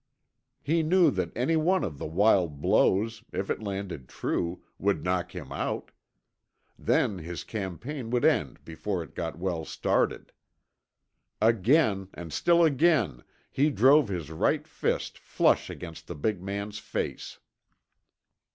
He knew that any one of the wild blows, if it landed true, would knock him out. Then his campaign would end before it got well started. Again, and still again, he drove his right fist flush against the big man's face.